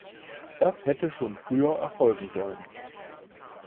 Das hätte schon früher erfolgen sollen.